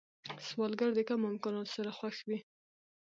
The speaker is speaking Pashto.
سوالګر د کمو امکاناتو سره خوښ وي